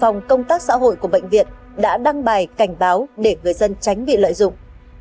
phòng công tác xã hội của bệnh viện đã đăng bài cảnh báo để người dân tránh bị lợi dụng